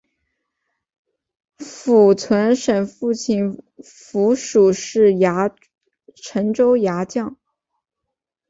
符存审父亲符楚是陈州牙将。